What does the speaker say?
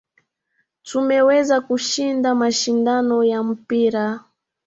Tumeweza kushinda mashindano ya mpira.